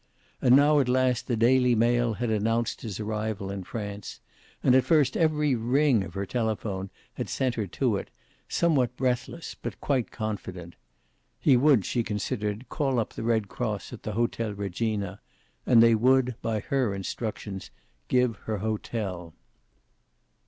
And now at last The Daily Mail had announced his arrival in France, and at first every ring of her telephone had sent her to it, somewhat breathless but quite confident. He would, she considered, call up the Red Cross at the Hotel Regina, and they would, by her instructions, give her hotel.